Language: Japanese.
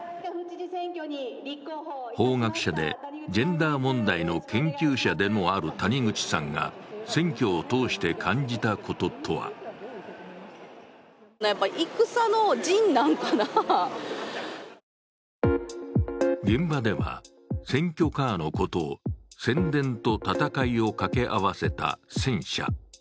法学者でジェンダー問題の研究者でもある谷口さんが選挙を通して感じたこととは現場では選挙カーのことを宣伝と戦いを掛け合わせたセン車。